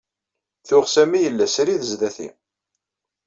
Tuɣ Sami yella srid sdat-i.